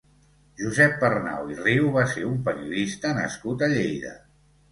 Josep Pernau i Riu va ser un periodista nascut a Lleida.